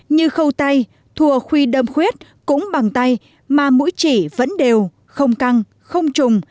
như khâu tay thùa khuy đâm khuyết cũng bằng tay mà mũi chỉ vẫn đều không căng không trùng